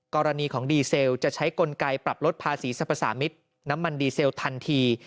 กรณีของดีเซลจะใช้กลไกปรับลดภาษีสรรพสามิตรน้ำมันดีเซลทันที